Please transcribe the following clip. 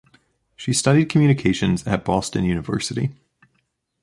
She studied communications at Boston University.